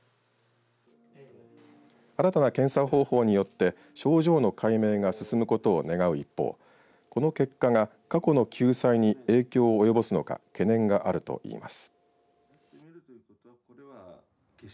新たな検査方法によって症状の解明が進むことを願う一方この結果が過去の救済に影響を及ぼすのか懸念があるといいます。